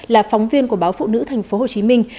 là phóng viên của báo phụ nữ tp hồ chí minh